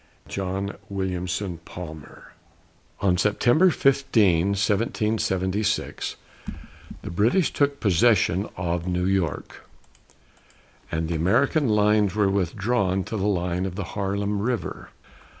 JOHN WILLIAMSON PALMER. On September 15, 1776, the British took possession of New York, and the American lines were withdrawn to the line of the Harlem River.